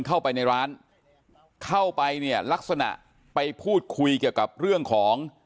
เข้าไปในร้านเข้าไปเนี่ยลักษณะไปพูดคุยเกี่ยวกับเรื่องของ